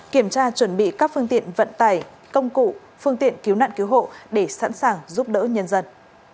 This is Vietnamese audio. kiểm tra chuẩn bị các phương tiện vận tải công cụ phương tiện cứu nạn cứu hộ để sẵn sàng giúp đỡ nhân dân